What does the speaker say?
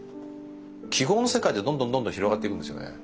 記号の世界でどんどんどんどん広がっていくんですよね。